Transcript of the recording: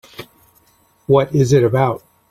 What is it about?